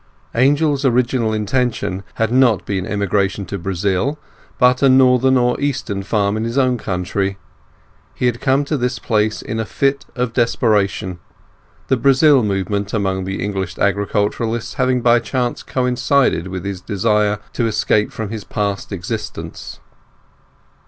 Angel's original intention had not been emigration to Brazil but a northern or eastern farm in his own country. He had come to this place in a fit of desperation, the Brazil movement among the English agriculturists having by chance coincided with his desire to escape from his past existence.